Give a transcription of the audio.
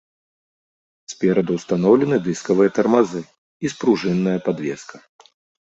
Спераду ўстаноўлены дыскавыя тармазы і спружынная падвеска.